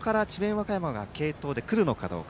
和歌山が継投で来るのかどうか。